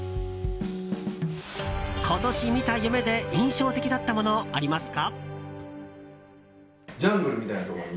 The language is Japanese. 今年見た夢で印象的だったものありますか？